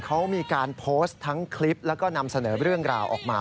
เขามีการโพสต์ทั้งคลิปแล้วก็นำเสนอเรื่องราวออกมา